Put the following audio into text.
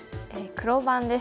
黒番です。